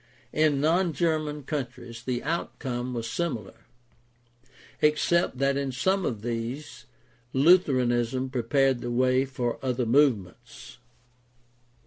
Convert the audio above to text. In non German coun tries the outcome was similar, except that in some of these Lutheranism prepared the way for other movements.